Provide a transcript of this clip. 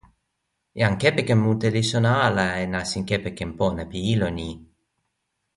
jan kepeken mute li sona ala e nasin kepeken pona pi ilo ni.